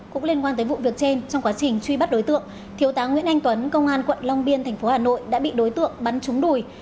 cũng liên quan tới vụ việc trên trong quá trình truy bắt đối tượng thiếu tá nguyễn anh tuấn công an quận long biên thành phố hà nội đã bị đối tượng bắn trúng đùi